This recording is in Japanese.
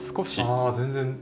ああ全然。